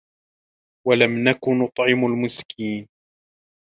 وَلَم نَكُ نُطعِمُ المِسكينَ